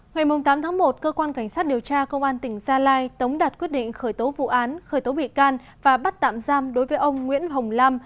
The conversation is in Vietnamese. ngày tám tháng một cơ quan cảnh sát điều tra công an tỉnh gia lai tống đạt quyết định khởi tố vụ án khởi tố bị can và bắt tạm giam đối với ông nguyễn hồng lam